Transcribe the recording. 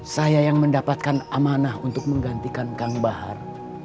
saya yang mendapatkan amanah untuk menggantikan kang bahar